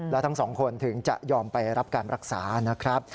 แล้วทั้งสองคนถึงจะยอมไปรับการรักษานะครับ